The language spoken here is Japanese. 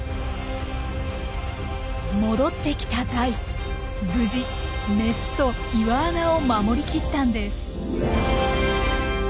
戻ってきたダイ無事メスと岩穴を守りきったんです。